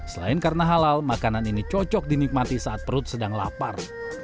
selain karena halal makanan ini cocok dinikmati saat perut sedang lapar